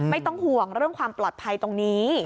ไม่ต้องห่วงเรื่องความปลอดภัยตรงนี้